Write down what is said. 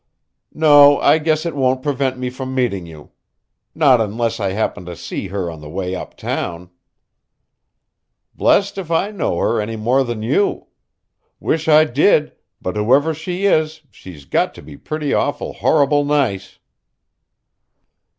No, I guess it won't prevent me from meeting you. Not unless I happen to see her on the way uptown. Blessed if I know her any more than you. Wish I did, but whoever she is she's got to be pretty awful horrible nice.